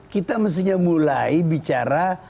kita mestinya mulai bicara